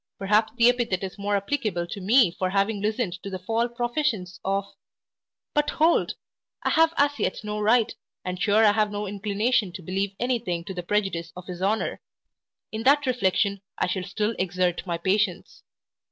perhaps the epithet is more applicable to me for having listened to the false professions of But, hold! I have as yet no right, and sure I have no inclination to believe any thing to the prejudice of his honour In that reflection I shall still exert my patience.